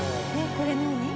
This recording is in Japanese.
これ何？